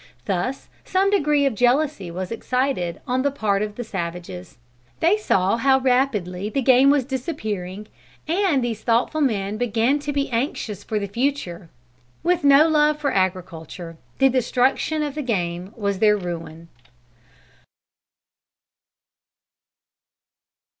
Thus some degree of jealousy was excited on the part of the savages. They saw how rapidly the game was disappearing, and these thoughtful men began to be anxious for the future. With no love for agriculture the destruction of the game was their ruin.